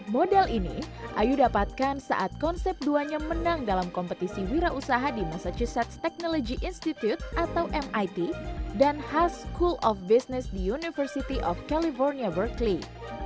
model ini ayu dapatkan saat konsep duanyam menang dalam kompetisi wira usaha di massachusetts technology institute atau mit dan kub di university of california berkeley